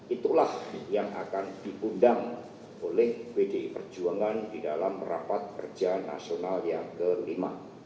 itulah yang akan diundang oleh pdi perjuangan di dalam rapat kerja nasional yang kelima